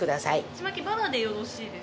ちまきバラでよろしいですか？